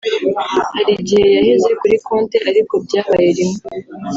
Hari igihe yaheze kuri konti ariko byabaye rimwe […]